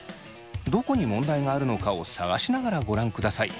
どこに問題があるのかを探しながらご覧ください。